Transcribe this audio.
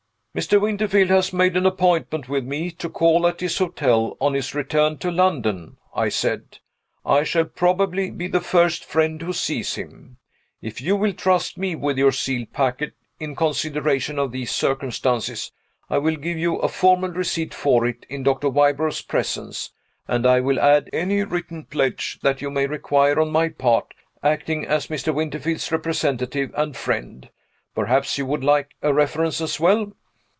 "Mr. Winterfield has made an appointment with me to call at his hotel, on his return to London," I said. "I shall probably be the first friend who sees him. If you will trust me with your sealed packet, in consideration of these circumstances, I will give you a formal receipt for it in Doctor Wybrow's presence and I will add any written pledge that you may require on my part, acting as Mr. Winterfield's representative and friend. Perhaps you would like a reference as well?"